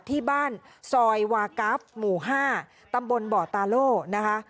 ที่บ้านซอยวากราฟหมู่๕ตำบลบ่อตาโล่นะคะ